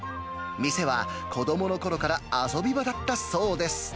店は子どものころから遊び場だったそうです。